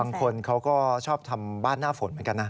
บางคนเขาก็ชอบทำบ้านหน้าฝนเหมือนกันนะ